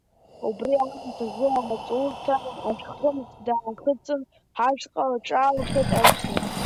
Убри аамҭазы амаҵурҭа ашәхымс даахыҵын, ҳашҟа лҿаалхеит Ашьна.